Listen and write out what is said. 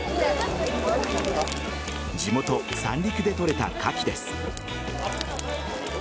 地元・三陸で取れたカキです。